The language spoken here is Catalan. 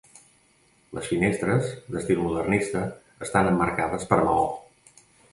Les finestres, d'estil modernista, estan emmarcades per maó.